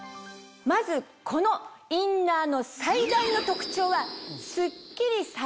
まずこのインナーの最大の特徴は。